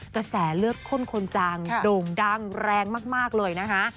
กระแสเลือดข้นคนจางโด่งดังแรงมากเลยนะคะ